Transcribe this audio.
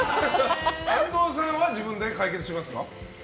安藤さんは自分で解決しますか？